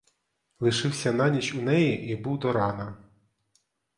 Лишився на ніч у неї і був до рана.